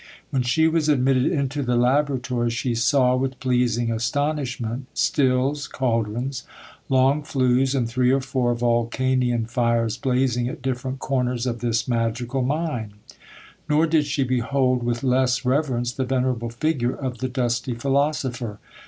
When she was admitted into the laboratory, she saw, with pleasing astonishment, stills, cauldrons, long flues, and three or four Vulcanian fires blazing at different corners of this magical mine; nor did she behold with less reverence the venerable figure of the dusty philosopher.